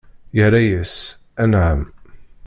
Irra-yas: Anɛam!